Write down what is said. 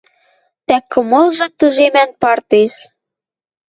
Тӓ кымлы тӹжемӓн партеш